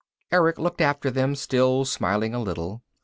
Erick looked after them, still smiling a little.